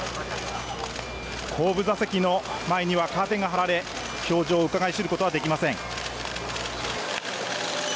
後部座席の前にはカーテンが張られ表情をうかがい知ることはできません。